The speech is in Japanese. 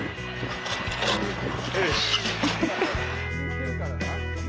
よし。